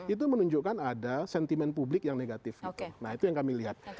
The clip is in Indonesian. itu menunjukkan ada sentimen publik yang negatif nah itu yang kami lihat